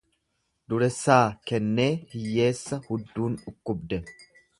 Duressaa kennee hiyyeessa hudduun dhukkubde.